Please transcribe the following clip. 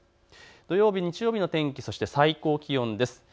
土曜日、日曜日の天気、最高気温です。